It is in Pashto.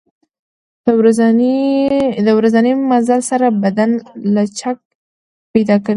د ورځني مزل سره بدن لچک پیدا کوي.